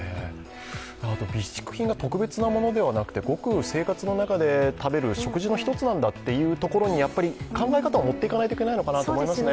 備蓄品が特別なものではなくて、生活の中で食べる食事の一つなんだというところに考え方を持っていかないといけないと思いますね。